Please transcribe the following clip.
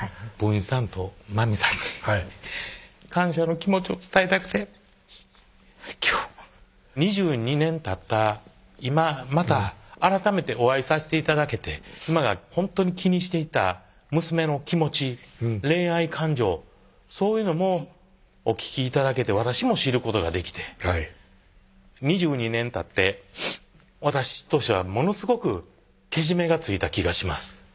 文枝さんとまみさんに感謝の気持ちを伝えたくて今日２２年たった今また改めてお会いさして頂けて妻がほんとに気にしていた娘の気持ち恋愛感情そういうのもお聞き頂けて私も知ることができてはい２２年たって私としてはものすごくけじめがついた気がします